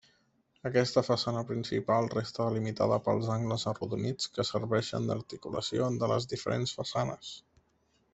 Aquesta façana principal resta delimitada pels angles arrodonits que serveixen d'articulació de les diferents façanes.